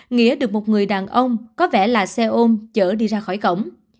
nghĩa được một người đàn ông có vẻ là xe ôm chở đi ra khỏi cổng